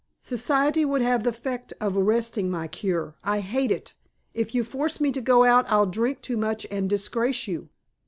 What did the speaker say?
"Society would have the effect of arresting my 'cure.' I hate it. If you force me to go out I'll drink too much and disgrace you."